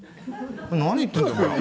「何言ってんだよお前は！